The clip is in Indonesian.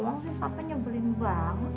maksudnya papa nyebelin banget